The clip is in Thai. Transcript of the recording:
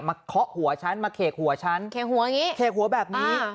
เคาะหัวฉันมาเขกหัวฉันเขกหัวอย่างนี้เขกหัวแบบนี้